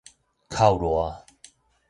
哭賴